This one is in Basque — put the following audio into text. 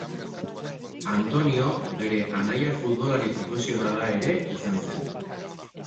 Antonio bere anaia futbolari profesionala ere izan zen.